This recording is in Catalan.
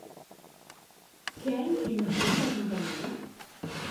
Què ha infringit, la companyia?